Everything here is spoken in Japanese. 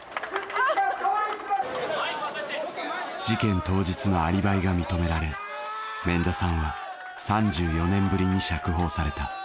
事件当日のアリバイが認められ免田さんは３４年ぶりに釈放された。